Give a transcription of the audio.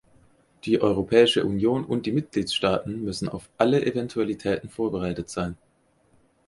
Die Europäische Union und die Mitgliedstaaten müssen auf alle Eventualitäten vorbereitet sein.